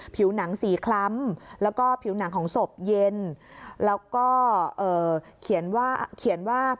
ผิวหนังสีคล้ำแล้วก็ผิวหนังของศพเย็นแล้วก็เขียนว่า